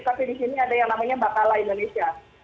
tapi di sini ada yang namanya bakala indonesia